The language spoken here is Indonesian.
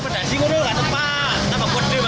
ketika banjir ini tidak tepat